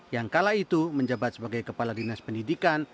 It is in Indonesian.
yang kala itu menjabat sebagai kepala dinas pendidikan